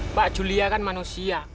mbak julia kan manusia